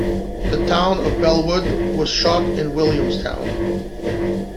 The town of Bellwood was shot in Williamstown.